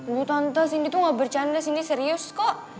loh tante sini tuh gak bercanda sini serius kok